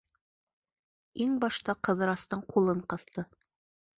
Иң башта Ҡыҙырастың ҡулын ҡыҫты.